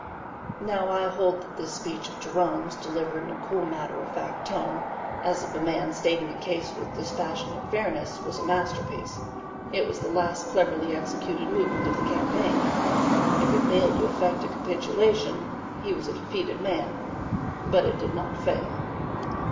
Now, I hold that this speech of Jerome's, delivered in a cool, matter of fact tone, as of a man stating a case with dispassionate fairness, was a masterpiece. It was the last cleverly executed movement of the campaign. If it failed to effect a capitulation, he was a defeated man. But it did not fail.